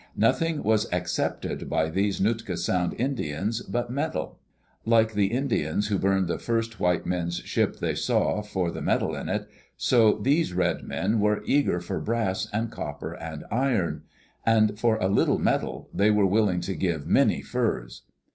Nothing was accepted by these Nootka Sound Indians but metal. Like the Indians who burned the first white men*s ship they saw for the metal in it, so these red men were eager for brass and copper and iron. And for a little metal they were willing to give many furs.